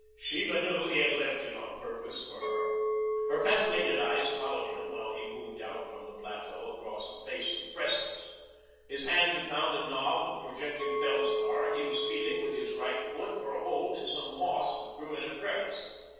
Sheba knew he had left it on purpose for her. Her fascinated eyes followed him while he moved out from the plateau across the face of the precipice. His hand had found a knob of projecting feldspar and he was feeling with his right foot for a hold in some moss that grew in a crevice.